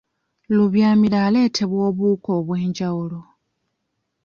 Lubyamira aleetebwa obuwuka obw'enjawulo.